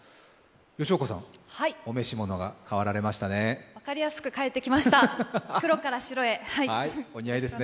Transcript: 吉岡さん、お召し物が変わられましたね。